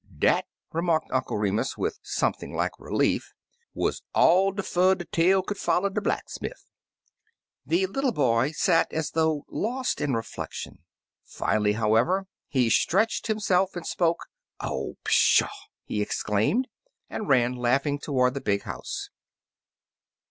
Dat," remarked Uncle Remus with some 50 Impty Umpty thing like relief, "wuz all de fur de tale could foUer de blacksmifF/' The little boy sat as though lost in reflec tion. Finally, however, he stretched him self and spoke. "Oh, pshaw!*' he exclaimed, and ran laughing toward the big house.